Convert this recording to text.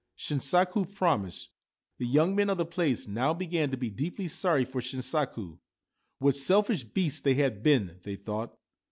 Shinsaku promised. The young men of the place now began to be deeply sorry for Shinsaku. What selfish beasts they had been ! they thought.